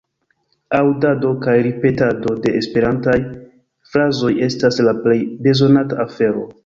Aŭdado kaj ripetado de esperantaj frazoj estas la plej bezonata afero.